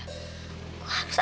gak harus ada